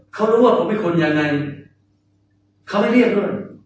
เขารู้ว่าผมมีคนยังไงเขาไม่เรียกเลย